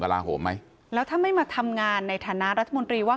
ลาโหมไหมแล้วถ้าไม่มาทำงานในฐานะรัฐมนตรีว่า